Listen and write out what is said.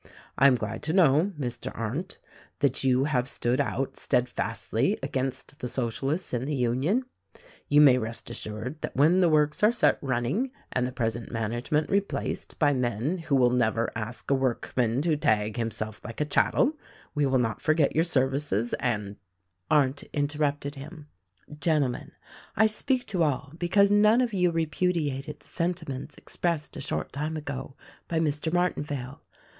I am glad to know, Mr. Arndt, that you have stood out steadfastly against the Socialists in the Union. You may rest assured that when the works are set running and the present management replaced by men who will never ask a workman to tag himself like a chattel, we will not forget your services, and " Arndt interrupted him: "Gentlemen, I speak to all, be cause none of you repudiated the sentiments expressed a short time ago by Air. Martinvale.